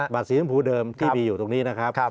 สีชมพูเดิมที่มีอยู่ตรงนี้นะครับ